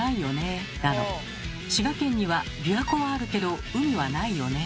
だの「滋賀県には琵琶湖はあるけど海はないよね」